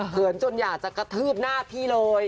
เขินจนอยากจะกระทืบหน้าพี่เลย